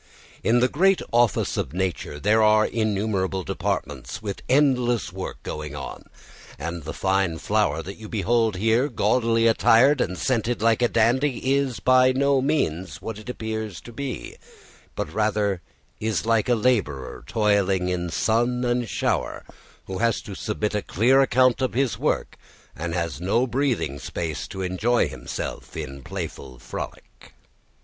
In the great office of nature there are innumerable departments with endless work going on, and the fine flower that you behold there, gaudily attired and scented like a dandy, is by no means what it appears to be, but rather, is like a labourer toiling in sun and shower, who has to submit a clear account of his work and has no breathing space to enjoy himself in playful frolic.